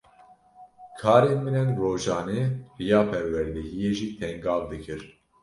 Karên min yên rojane, riya perwerdehiyê jî tengav dikir